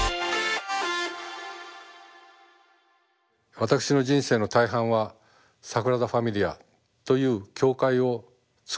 私の人生の大半はサグラダ・ファミリアという教会を作るところにあるんです。